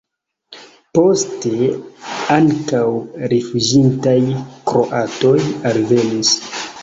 Poste ankaŭ rifuĝintaj kroatoj alvenis.